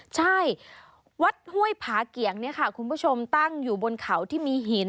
ใช่วัดห้วยผาเกียงเนี่ยค่ะคุณผู้ชมตั้งอยู่บนเขาที่มีหิน